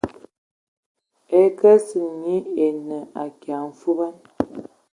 E kesin nyi enə akia mfuban.